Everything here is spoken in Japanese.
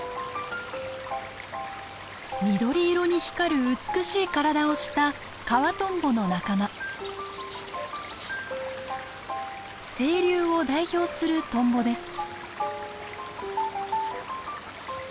緑色に光る美しい体をした清流を代表するトンボです。